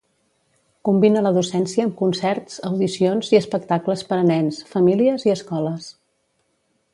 Combina la docència amb concerts, audicions i espectacles per a nens, famílies i escoles.